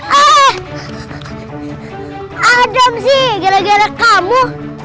aduh adam sih gara gara kamu